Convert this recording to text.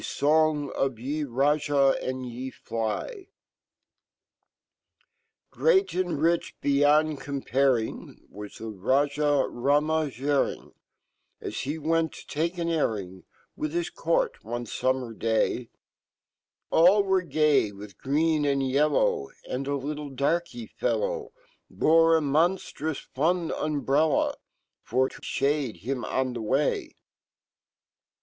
Song of y e Rajah x and y e Fly y e Raj ah G reat and rich beyond comparing 'WasfheRajah Rhamajaring, A 5 he went to take an airing \Vifh his Court one fum me relay. All were gay wifh green and yellow And a little darky fellow Bre amonftrous Inn umbrella, Forto fhade him on fhe way.